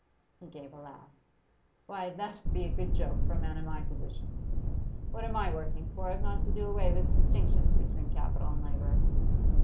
He gave a laugh. 'Why, that 'ud be a good joke for a man in my position! What am I working for, if not to do away with distinctions between capital and labour?